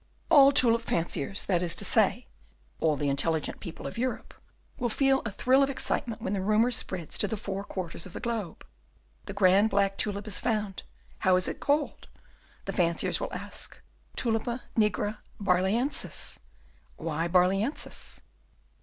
All the tulip fanciers that is to say, all the intelligent people of Europe will feel a thrill of excitement when the rumour spreads to the four quarters of the globe: The grand black tulip is found! 'How is it called?' the fanciers will ask. 'Tulipa nigra Barlœnsis!' 'Why Barlœnsis?